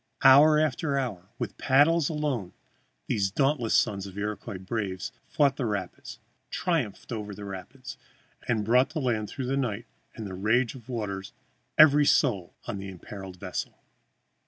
Hour after hour, with paddles alone, these dauntless sons of Iroquois braves fought the rapids, triumphed over the rapids, and brought to land through the night and the rage of waters every soul on that imperiled vessel!